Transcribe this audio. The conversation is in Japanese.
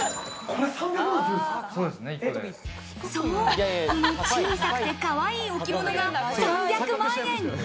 この小さくてかわいい置物が３００万円。